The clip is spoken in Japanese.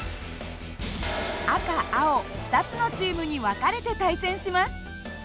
赤青２つのチームに分かれて対戦します。